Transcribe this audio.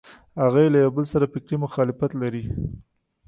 هغوی له یوبل سره فکري مخالفت لري.